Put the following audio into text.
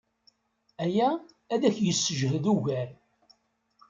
Aya ad k-yessejhed ugar.